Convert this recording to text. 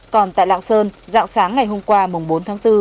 còn tại lạng sơn dạng sáng ngày hôm qua bốn tháng bốn